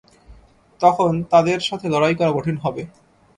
তখন তাদের সাথে লড়াই করা কঠিন হবে।